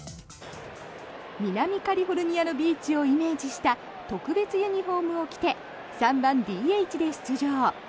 南カリフォルニアのビーチをイメージした特別ユニホームを着て３番ＤＨで出場。